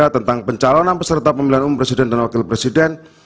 tentang pencalonan peserta pemilihan umum presiden dan wakil presiden